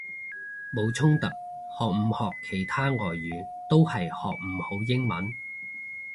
冇衝突，學唔學其他外語都係學唔好英文！